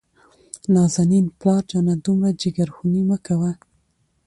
نازنين : پلار جانه دومره جګرخوني مه کوه.